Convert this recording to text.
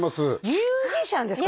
ミュージシャンですか？